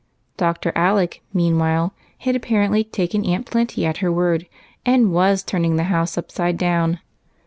Dr. Alec meanwhile had apparently taken Aunt Plenty at her word, and was turning the house upside down.